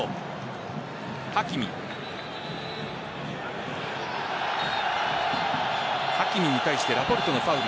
ハキミに対してラポルトのファウル。